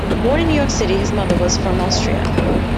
Born in New York City, his mother was from Austria.